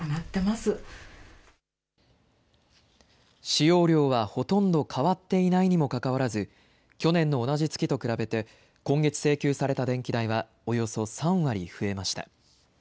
使用量はほとんど変わっていないにもかかわらず、去年の同じ月と比べて、今月請求された電気代はおよそ３割増えました。